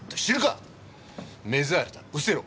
目障りだうせろ！